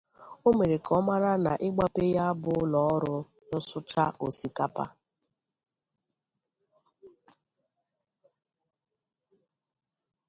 O mere ka a mara na ịgbape ya bụ ụlọ ọrụ nsucha osikapa